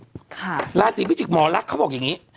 ค่ะราศีพิจิกษหมอลักษณ์เขาบอกอย่างนี้